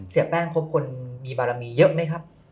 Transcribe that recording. เสียแป้งคบคนมีบารมีเยอะไหมครับ